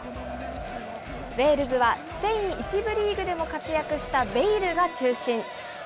ウェールズはスペイン１部リーグでも活躍したベイルが中心。